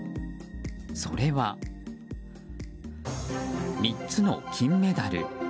それは３つの金メダル。